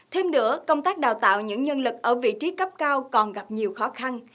thêm nữa công tác đào tạo những nhân lực ở vị trí cấp cao còn gặp nhiều khó khăn